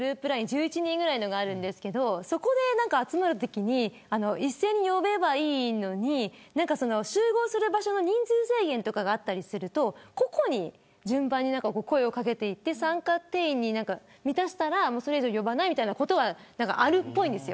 １１人ぐらいのやつがあるんですけどそこで集まるときに一斉に呼べばいいのに集合場所の人数制限があったりすると個々に声を掛けていって参加定員になったらそれ以上呼ばないみたいなことがあるっぽいんです。